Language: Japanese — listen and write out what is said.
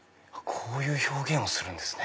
こういう表現をするんですね。